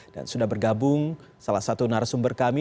dan sudah bergabung salah satu narasumber kami